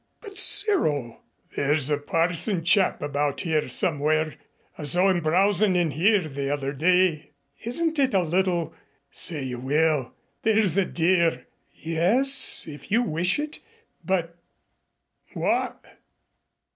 "But, Cyril " "There's a parson chap about here somewhere. I saw him browsin' in here the other day." "Isn't it a little " "Say you will, there's a dear." "Yes, if you wish it. But " "What?"